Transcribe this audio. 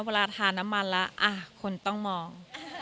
เวลาทาน้ำมันแล้วคนต้องมอง